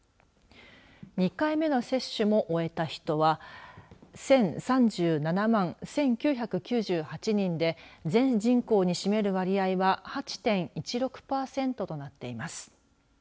２回目の接種も終えた人は１０３７万１９９８人で全人口に占める割合は８．１６パーセントとなっています。